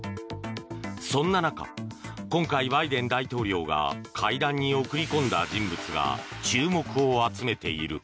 そんな中、今回バイデン大統領が会談に送り込んだ人物が注目を集めている。